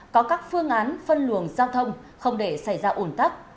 có các phương án phân luồng giao thông không để xảy ra ủn tắc